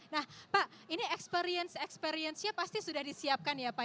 nah pak ini experience experience nya pasti sudah disiapkan ya pak